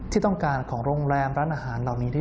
ที่ต้องการของโรงแรมร้านอาหารเหล่านี้